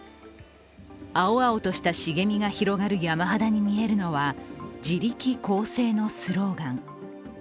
青々とした茂みが広がる山肌に見えるのは「自力更生」のスローガン。